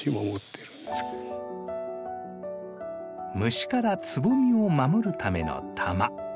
虫からつぼみを守るための玉。